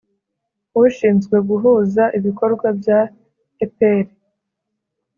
Ushinzwe guhuza ibikorwa bya epr